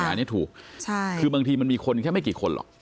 อันนี้ถูกคือบางทีมันมีคนแค่ไม่กี่คนหรอก